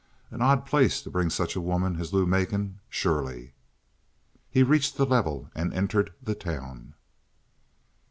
An odd place to bring such a woman as Lou Macon, surely! He reached the level, and entered the town.